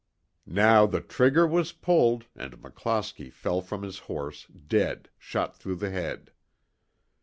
Now the trigger was pulled and McClosky fell from his horse, dead, shot through the head.